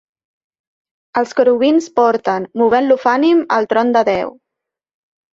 Els querubins porten, movent l'Ofanim, el tron de Déu.